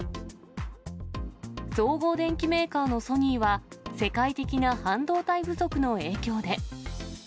総合電機メーカーのソニーは、世界的な半導体不足の影響で。